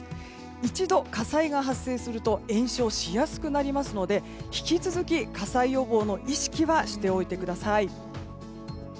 一度、火災が発生すると延焼しやすくなりますので引き続き火災予防の意識はしておいてください。